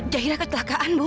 jahira kecelakaan bu